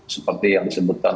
seperti yang disebutkan